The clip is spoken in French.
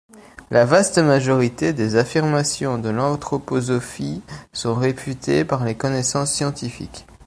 La vaste majorité des affirmations de l'anthroposophie sont réfutées par les connaissances scientifiques.